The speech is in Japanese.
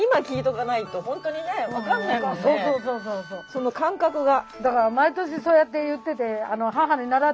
その感覚が。